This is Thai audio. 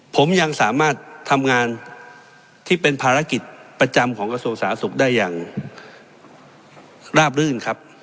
ผมยังสามารถทำงานที่เป็นภารกิจประจำของกระทรวงสาธารณสุขได้อย่างราบรื่นครับ